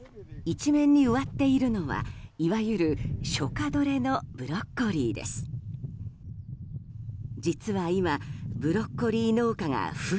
一面に植わっているのはいわゆる初夏どれのブロッコリーです。